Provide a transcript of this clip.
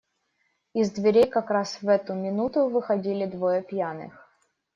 Из дверей, как раз в эту минуту, выходили двое пьяных.